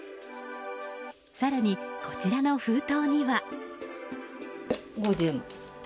更に、こちらの封筒には。